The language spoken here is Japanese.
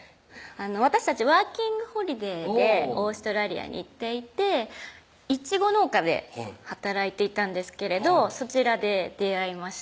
私たちワーキング・ホリデーでオーストラリアに行っていていちご農家で働いていたんですけれどそちらで出会いました